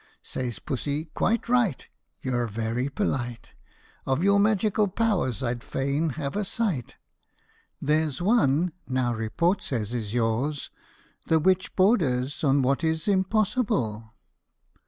Says Pussy, " Quite right you 're very polite Of your magical powers I 'd fain have a sight. There 's one now report says is yours, the which borders On what is impossible."